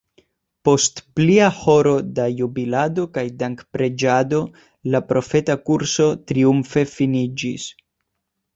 Post plia horo da jubilado kaj dankpreĝado la profeta kurso triumfe finiĝis.